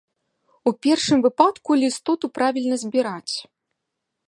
У першым выпадку лістоту правільна збіраць.